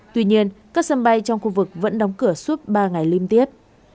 tuy nhiên các sân bay trong khu vực vẫn đóng cửa suốt ba ngày liên tiếp